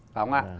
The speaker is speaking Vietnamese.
phải không ạ